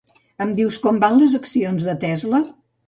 Em dius com van les accions de Tesla?